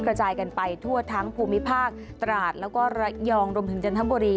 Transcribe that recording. กระจายกันไปทั่วทั้งภูมิภาคตราดแล้วก็ระยองรวมถึงจันทบุรี